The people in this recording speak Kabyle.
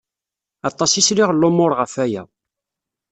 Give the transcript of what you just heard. Aṭas i sliɣ n lumuṛ ɣef aya.